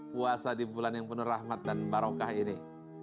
puasa di bulan yang penuh rahmat dan barokah ini